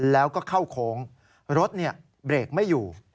แล้วก็เข้าโค้งรถเบรกไม่อยู่